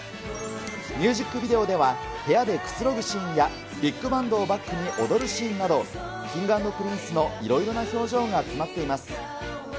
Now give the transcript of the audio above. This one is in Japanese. ミュージックビデオでは、部屋でくつろぐシーンや、ビッグバンドをバックに踊るシーンなど、Ｋｉｎｇ＆Ｐｒｉｎｃｅのいろいろな表情が詰まっています。